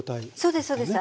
そうですそうです。